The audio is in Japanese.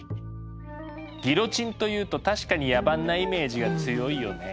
ギロチンというと確かに野蛮なイメージが強いよね。